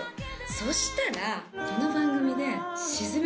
そしたらこの番組で。